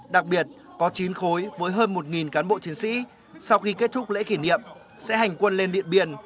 đặc biệt có chín khối với hơn một cán bộ chiến sĩ sau khi kết thúc lễ kỷ niệm sẽ hành quân lên điện biên